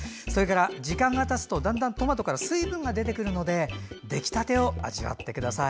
時間がたつとだんだんトマトから水分が出てくるので出来たてを味わってください。